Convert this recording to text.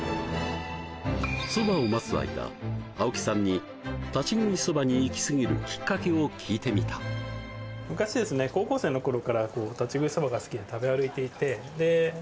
そばを待つ間青木さんに立ち食いそばにイキスギるきっかけを聞いてみた昔ですねにハマり始め